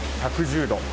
１１０度。